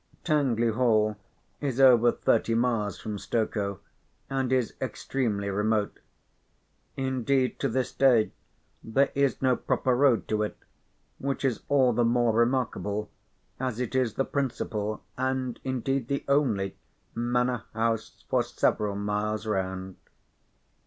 Tangley Hall is over thirty miles from Stokoe, and is extremely remote. Indeed to this day there is no proper road to it, which is all the more remarkable as it is the principal, and indeed the only, manor house for several miles round.